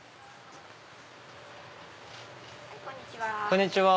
こんにちは。